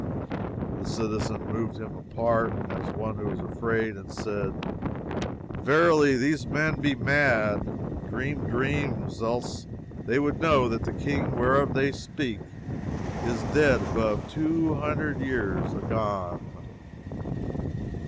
The citizen moved him apart, as one who is afraid, and said, Verily these men be mad, and dream dreams, else would they know that the King whereof they speak is dead above two hundred years agone.